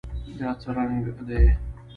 دا څه رنګ دی؟